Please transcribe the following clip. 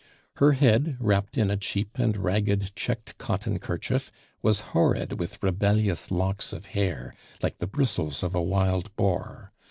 Her head, wrapped in a cheap and ragged checked cotton kerchief, was horrid with rebellious locks of hair, like the bristles of a wild boar.